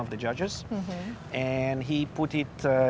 saya menemukan seorang penyelidik